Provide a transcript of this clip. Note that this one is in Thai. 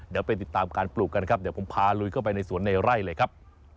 เดี๋ยวไปติดตามการปลูกกันนะครับเดี๋ยวผมพาลุยเข้าไปในสวนในไร่เลยครับ